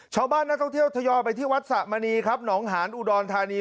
ชาวบ้านนักท่องเที่ยวทยอดไปวัดสมณีหนองหาญอุดรธานี